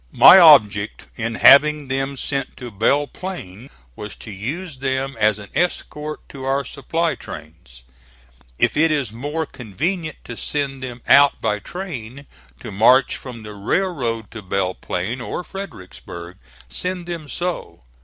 My object in having them sent to Belle Plain was to use them as an escort to our supply trains. If it is more convenient to send them out by train to march from the railroad to Belle Plain or Fredericksburg, send them so.